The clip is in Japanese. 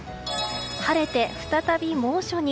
晴れて再び猛暑に。